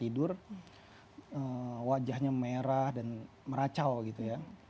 tidur wajahnya merah dan meracau gitu ya